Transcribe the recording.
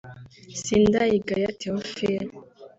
Sindayigaya Théophile